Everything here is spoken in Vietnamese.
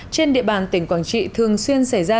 trên địa bàn tỉnh quảng trị thường xuyên xảy ra